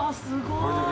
すごい！